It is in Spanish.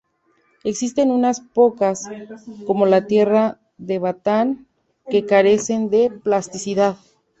Existen unas pocas, como la tierra de batán, que carecen de plasticidad.